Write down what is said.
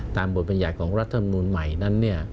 ตามบทบรรยายของรัฐธรรมุนใหม่นั้น